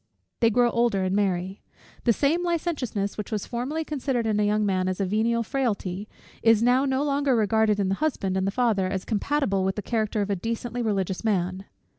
They grow older, and marry. The same licentiousness, which was formerly considered in young men as a venial frailty, is now no longer regarded in the husband and the father as compatible with the character of a decently religious man.